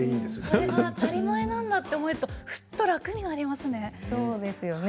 それが当たり前なんだって思えるとフッと楽になりますね。